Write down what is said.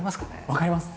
分かります？